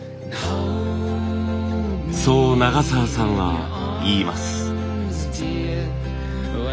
そう永澤さんは言います。